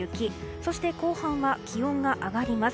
そして後半は気温が上がります。